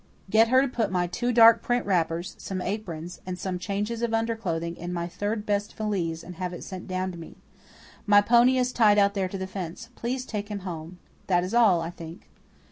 Get her to put my two dark print wrappers, some aprons, and some changes of underclothing in my third best valise and have it sent down to me. My pony is tied out there to the fence. Please take him home. That is all, I think."